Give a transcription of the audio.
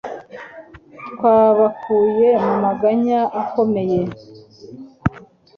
Twabakuye mu maganya akomeye.